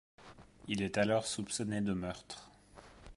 Il est alors soupçonné de meurtre.